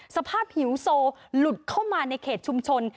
สภาพหิวโซหลุดเข้ามาในเขตชุมชน